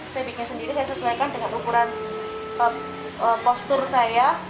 saya bikin sendiri saya sesuaikan dengan ukuran postur saya